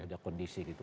beda kondisi gitu